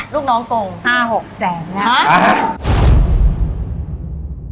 ลูกน้องกงห้าหกแสนหะ